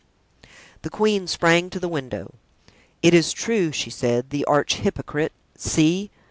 The queen sprang to the window. "It is true," she said, "the arch hypocrite—see!"